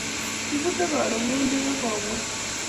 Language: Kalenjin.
Kipute karon ngendek ako bwan